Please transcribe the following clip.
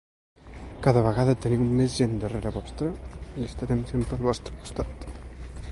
Cada vegada teniu més gent darrere vostre i estarem sempre al vostre costat.